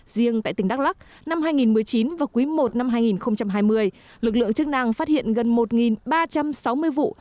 riêng tại tỉnh đắk lắc năm hai nghìn một mươi chín và quý i năm hai nghìn hai mươi lực lượng chức năng phát hiện gần một ba trăm sáu mươi vụ